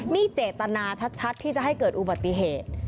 นี่เจตนาชัดที่จะให้เกิดอุบัติเหตุ